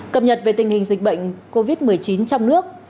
cập nhật về tình hình dịch bệnh covid một mươi chín trong nước